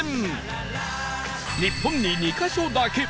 日本に２カ所だけ！